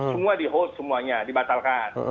semua di host semuanya dibatalkan